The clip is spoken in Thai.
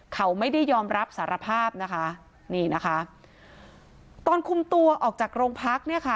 เขาไม่ได้ยอมรับสารภาพนะคะตอนคุมตัวออกจากโรงพักษณ์